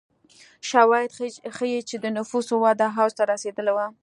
شواهد ښيي چې د نفوسو وده اوج ته رسېدلې وه.